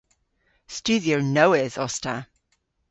Studhyer nowydh os ta.